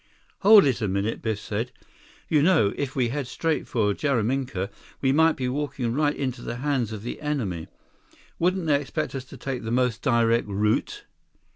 "Hold it a minute," Biff said. "You know, if we head straight for Jaraminka, we might be walking right into the hands of the enemy. Wouldn't they expect us to take the most direct route?"